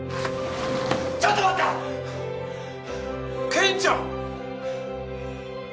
健ちゃん！？